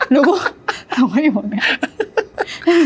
หนูก็เราไม่อยู่อย่างเนี่ย